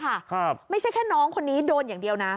ครับไม่ใช่แค่น้องคนนี้โดนอย่างเดียวนะ